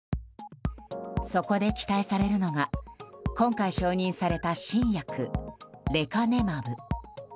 そこで期待されるのが今回承認された新薬レカネマブ。